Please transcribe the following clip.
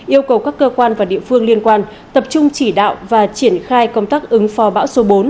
yêu cầu các cơ quan và địa phương liên quan tập trung chỉ đạo và triển khai công tác ứng phó bão số bốn